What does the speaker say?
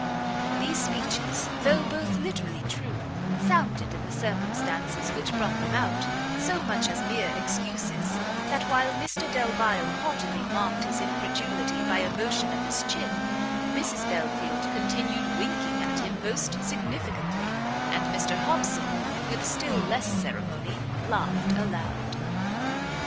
These speeches, though both literally true, sounded, in the circumstances which brought them out, so much as mere excuses, that while Mr Delvile haughtily marked his incredulity by a motion of his chin, Mrs Belfield continued winking at him most significantly, and Mr Hobson, with still less ceremony, laughed aloud.